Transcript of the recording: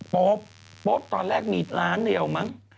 โป๊บตอนแรกมีล้านเดียวมั้ง